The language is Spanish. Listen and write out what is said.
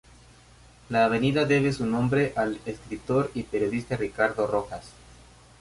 La avenida debe su nombre al escritor y periodista Ricardo Rojas.